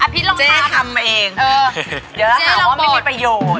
พี่ลองมาเจ๊ทำมาเองเดี๋ยวเราหมายความว่าไม่มีประโยชน์